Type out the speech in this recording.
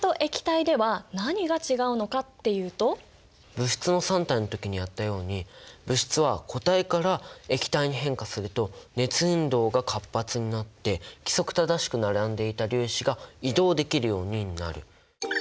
物質の三態の時にやったように物質は固体から液体に変化すると熱運動が活発になって規則正しく並んでいた粒子が移動できるようになる。